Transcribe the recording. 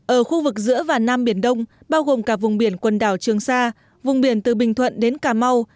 ở khu vực giữa và nam biển đông bao gồm cả vùng biển quần đảo trường sa vùng biển từ bình thuận đến cà mau